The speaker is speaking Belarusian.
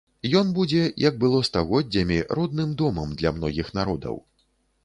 Ён будзе, як было стагоддзямі, родным домам для многіх народаў.